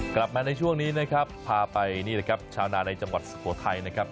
กลับมาในช่วงนี้นะครับพาไปนี่แหละครับชาวนาในจังหวัดสุโขทัยนะครับ